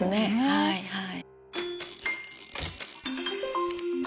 はいはい。